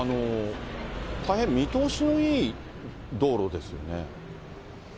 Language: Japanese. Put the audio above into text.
大変見通しのいい道路ですよね。